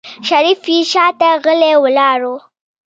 شريف يې شاته غلی ولاړ و.